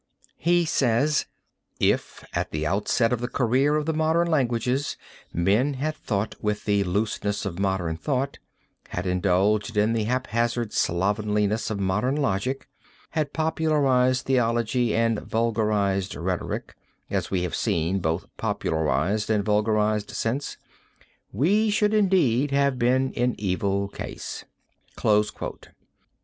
He says: "If at the outset of the career of the modern languages, men had thought with the looseness of modern thought, had indulged in the haphazard slovenliness of modern logic, had popularized theology and vulgarized rhetoric, as we have seen both popularized and vulgarized since, we should indeed have been in evil case."